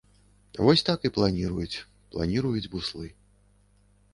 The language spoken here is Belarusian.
Вось так і планіруюць, планіруюць буслы.